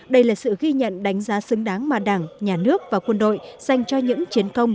đây là sự ghi nhận đánh giá xứng đáng mà đảng nhà nước và quân đội dành cho những chiến công